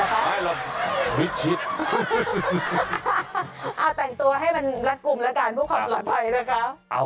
แต่งตัวให้มันรัดกลุ่มแล้วกันผู้ขอตลอดไปนะคะ